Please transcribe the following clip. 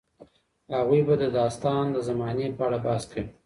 هغوی به د داستان د زمانې په اړه بحث کوي.